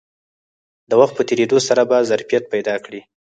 د وخت په تېرېدو سره به ظرفیت پیدا کړي